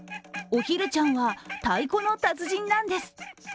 おひるちゃんは太鼓の達人なんです。